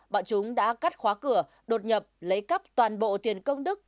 bọn chúng đã cắt khóa cửa đột nhập lấy cắp toàn bộ tiền công đức